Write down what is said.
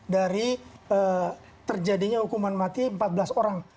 dari terjadinya hukuman mati empat belas orang